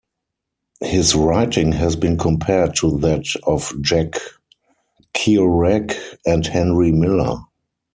His writing has been compared to that of Jack Kerouac and Henry Miller.